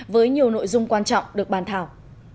với nhiều nội dung quan trọng được bàn thảo